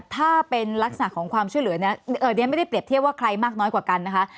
ถ้าเป็นลักษณะของความช่วยเหลือเนี่ยเดี๋ยวไม่ได้เปรียบเทียบว่าใครมากน้อยกว่ากันนะคะ